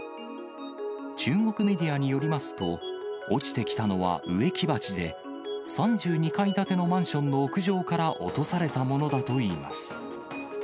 中国メディアによりますと、落ちてきたのは植木鉢で、３２階建てのマンションの屋上から落とされたものだといいます。